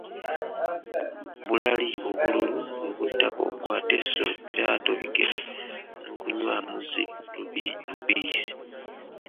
Bulali obululu bwe buddako gw’ate sso, biraato bigere n’okunywamu zi lubbiisi.